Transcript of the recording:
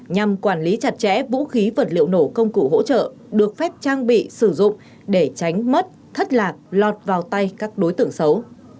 nhằm quản lý chặt chẽ vũ khí vật liệu nổ công cụ hỗ trợ được phép trang bị sử dụng để tránh mất thất lạc lọt vào tay các đối tượng xấu